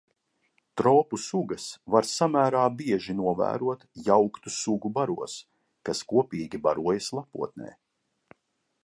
Tropu sugas var samērā bieži novērot jauktu sugu baros, kas kopīgi barojas lapotnē.